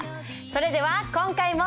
それでは今回も。